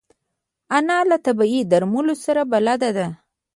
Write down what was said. انا له طبیعي درملو سره بلد ده